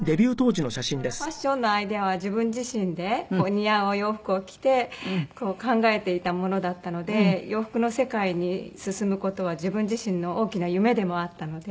このシノラーファッションのアイデアは自分自身で似合うお洋服を着て考えていたものだったので洋服の世界に進む事は自分自身の大きな夢でもあったので。